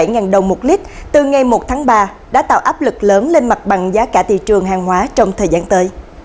bảy đồng một lít từ ngày một tháng ba đã tạo áp lực lớn lên mặt bằng giá cả thị trường hàng hóa trong thời gian tới